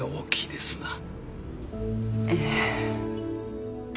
ええ。